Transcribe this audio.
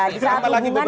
di saat hubungan